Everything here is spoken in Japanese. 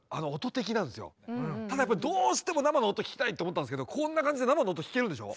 ただやっぱりどうしても生の音聴きたいと思ったんですけどこんな感じで生の音聴けるんでしょ。